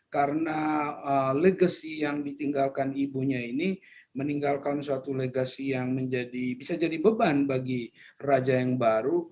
karena legasi yang ditinggalkan ibunya ini meninggalkan suatu legasi yang bisa jadi beban bagi raja yang baru